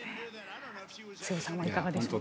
瀬尾さんもいかがでしょう。